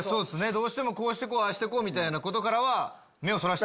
こうしてこうああしてこうみたいなことからは。